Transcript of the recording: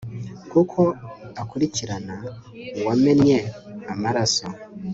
kuko akurikirana uwamennye amaraso